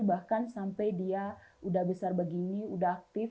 bahkan sampai dia udah besar begini udah aktif